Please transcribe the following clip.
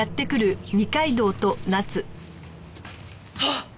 あっ！